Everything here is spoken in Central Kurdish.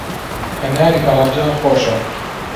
هەناری هەڵەبجە خۆشە.